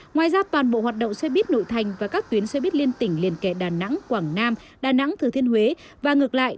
ngoài ra toàn bộ hoạt động xe buýt nội thành và các tuyến xe buýt liên tỉnh liên kề đà nẵng quảng nam đà nẵng thừa thiên huế và ngược lại